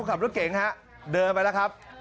ขับรถเก่งฮะเดินไปแล้วครับ